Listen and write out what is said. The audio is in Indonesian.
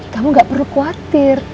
kamu nggak perlu khawatir